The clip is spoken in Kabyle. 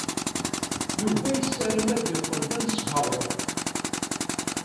Yuba yessaram ad yeqqel d anesbaɣur.